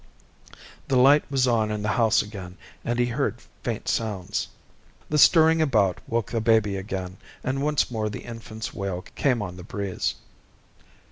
The light was on in the house again, and he heard faint sounds. The stirring about woke the baby again, and once more the infant's wail came on the breeze.